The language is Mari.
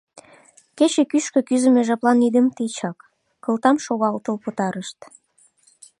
Кече кӱшкӧ кӱзымӧ жаплан идым тичак, кылтам шогалтыл пытарышт.